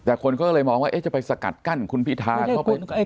แต่คนก็เลยมองว่าจะไปสกัดกั้นคุณพิธาเข้าไป